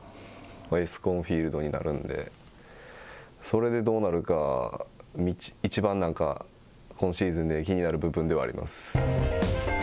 エスコンフィールドになるので、それでどうなるか、一番なんか、今シーズンで気になる部分ではあります。